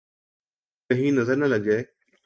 !کہیں نظر نہ لگ جائے